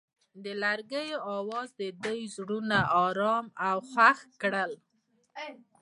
د لرګی اواز د دوی زړونه ارامه او خوښ کړل.